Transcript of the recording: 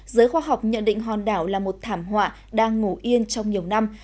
giới khoa học nhận định hòn đảo là một thảm họa đang ngủ yên trong nhiều năm